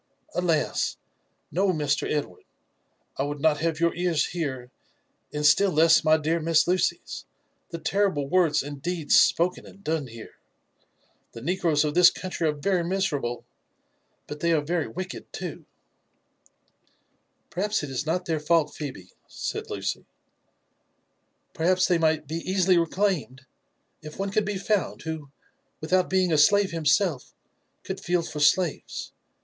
" Alas I no, Master Edward, I would not have your ears hear, and still less my dear Miss Lucy's, the terriMe words and deeds spoken and done here. The negroes of this country are very miserable — but they are very wicked, too." *" Perhaps it is not their fault, Phebe," said Lucy, " perhaps they 08 LIFE AND ADVENTURES Ot* might be easily reclaimed, if one could be found, who, without being a slave himself, could feel for slaves.